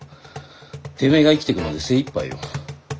てめえが生きてくので精いっぱいよ。